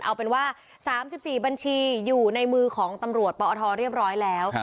เอาเป็นว่า๓๔บัญชีอยู่ในมือของตำรวจปอทเรียบร้อยแล้ว